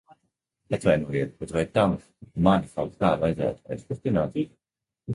Atvainojiet, bet vai tam mani kaut kā vajadzētu aizkustināt?